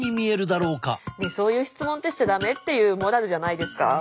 そういう質問ってしちゃ駄目っていうモラルじゃないですか？